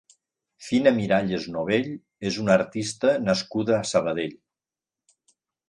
Fina Miralles Nobell és una artista nascuda a Sabadell.